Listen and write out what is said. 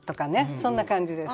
そんな感じです。